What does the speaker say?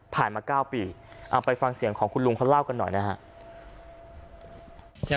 ผ่านมาเก้าปีเอาไปฟังเสียงของคุณลุงเขาเล่ากันหน่อยนะฮะ